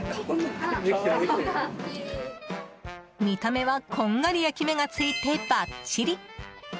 見た目はこんがり焼き目がついてバッチリ。